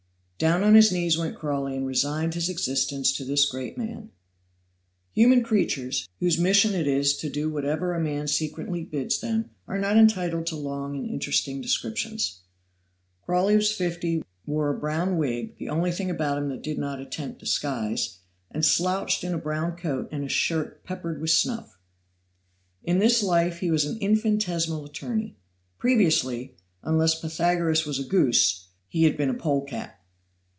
Down on his knees went Crawley and resigned his existence to this great man. Human creatures, whose mission it is to do whatever a man secretly bids them, are not entitled to long and interesting descriptions. Crawley was fifty, wore a brown wig, the only thing about him that did not attempt disguise, and slouched in a brown coat and a shirt peppered with snuff. In this life he was an infinitesimal attorney. Previously, unless Pythagoras was a goose, he had been a pole cat.